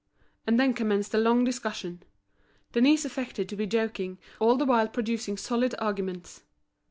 And then commenced a long discussion. Denise affected to be joking, all the while producing solid arguments.